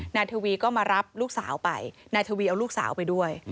นายทวีก็มารับลูกสาวไปนายทวีเอาลูกสาวไปด้วย